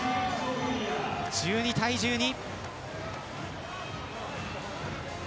１２対１２。